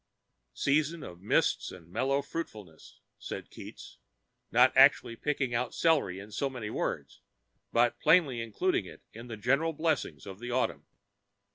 "Season of mists and mellow fruitfulness," said Keats, not actually picking out celery in so many words, but plainly including it in the general blessings of the autumn.